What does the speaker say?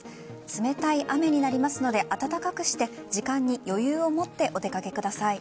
冷たい雨になりますので暖かくして時間に余裕をもってお出かけください。